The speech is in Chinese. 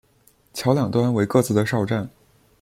桥两端为各自的哨站。